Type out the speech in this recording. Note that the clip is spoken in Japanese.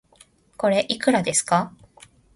これ、いくらですか